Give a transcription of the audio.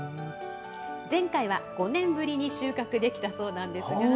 前回は５年ぶりに収穫できたそうなんですが。